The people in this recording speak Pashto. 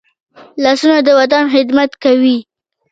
لاسونه د وطن خدمت کوي